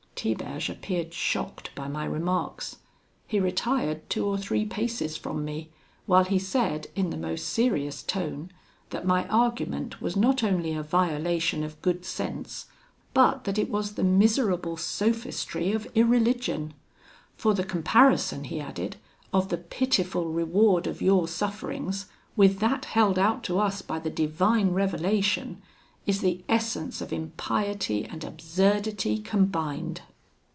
"Tiberge appeared shocked by my remarks. He retired two or three paces from me, while he said, in the most serious tone, that my argument was not only a violation of good sense, but that it was the miserable sophistry of irreligion; 'for the comparison,' he added, 'of the pitiful reward of your sufferings with that held out to us by the divine revelation, is the essence of impiety and absurdity combined.'